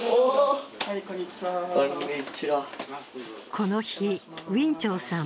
この日、ウィン・チョウさん